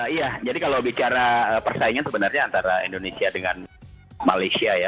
iya jadi kalau bicara persaingan sebenarnya antara indonesia dengan malaysia ya